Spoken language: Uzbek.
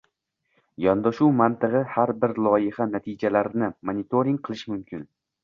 Yondashuv mantig‘i: har bir loyiha natijalarini monitoring qilish mumkin.